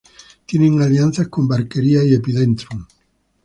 Tienen alianza con "Barkeria" y Epidendrum.